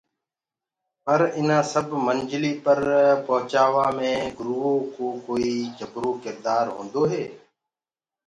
پر اِنآ سب منجليٚ پر رسآوآ مي گُرو ڪوئي جبرو ڪِردآر هوندو هي۔